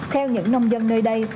theo những nông dân nơi đây